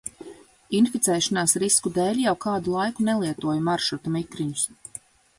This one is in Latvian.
Inficēšanās risku dēļ jau kādu laiku nelietoju maršruta mikriņus.